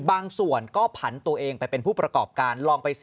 บางส่วนก็ผันตัวเองไปเป็นผู้ประกอบการลองไปสิ